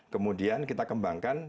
kemudian kita kembangkan